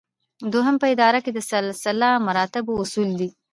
دوهم په اداره کې د سلسله مراتبو اصل دی.